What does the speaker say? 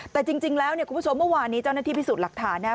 แต่จริงแล้วเนี่ยคุณผู้ชมเมื่อวานนี้เจ้าหน้าที่พิสูจน์หลักฐานนะครับ